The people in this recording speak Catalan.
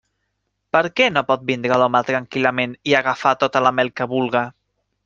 Per què no pot vindre l'home tranquil·lament i agafar tota la mel que vulga?